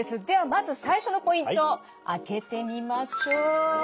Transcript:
ではまず最初のポイント開けてみましょう！